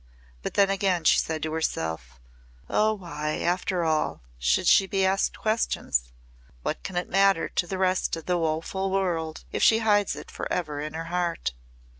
But then again she said to herself, "Oh why, after all, should she be asked questions? What can it matter to the rest of the woeful world if she hides it forever in her heart?"